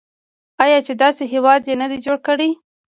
آیا چې داسې هیواد یې نه دی جوړ کړی؟